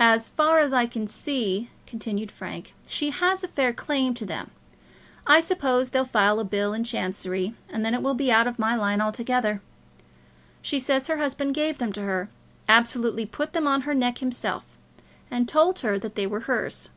"As far as I can see," continued Frank, "she has a fair claim to them. I suppose they'll file a bill in Chancery, and then it will be out of my line altogether. She says her husband gave them to her, absolutely put them on her neck himself, and told her that they were hers.